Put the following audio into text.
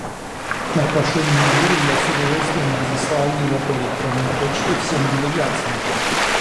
На прошлой неделе я с удовольствием разослал его по электронной почте всем делегациям.